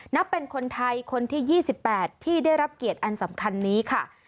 นับเป็นคนไทยคนที่๒๘ที่ได้รับเกียรติอันสำคัญนี้ค่ะ